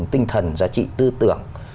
tinh thần giá trị tư tưởng